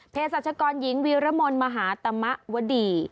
เพชรศัชกรหญิงวิรมนธ์มหาตมะวดี